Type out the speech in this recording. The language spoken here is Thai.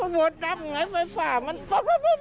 แล้วได้ยินเสียตะโกนจากพี่สาว